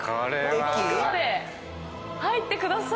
どうぞ奥まで入ってください。